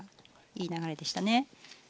いい流れでしたね。